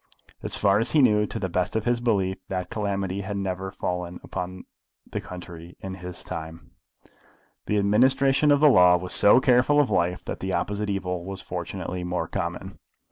As far as he knew, to the best of his belief, that calamity had never fallen upon the country in his time. The administration of the law was so careful of life that the opposite evil was fortunately more common.